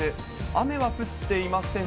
雨は降っていません。